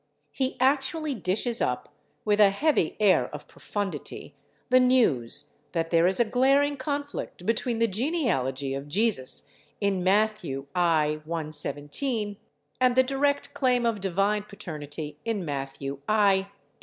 He actually dishes up, with a heavy air of profundity, the news that there is a glaring conflict between the genealogy of Jesus in Matthew i, 1 17, and the direct claim of divine paternity in Matthew i, 18.